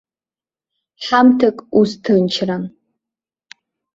Ҳамҭак ус ҭынчран.